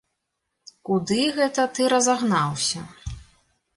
Куды гэта ты разагнаўся?